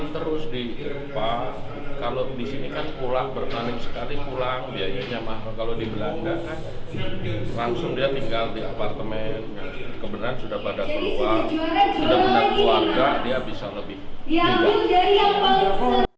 kebenaran sudah pada keluar sudah menang keluarga dia bisa lebih tinggi